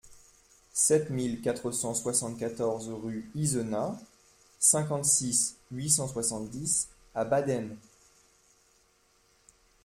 sept mille quatre cent soixante-quatorze rue Izenah, cinquante-six, huit cent soixante-dix à Baden